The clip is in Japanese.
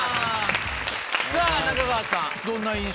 さぁ中川さん。